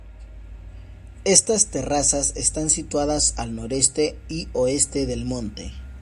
Estas terrazas están situadas al Noroeste y Oeste del monte.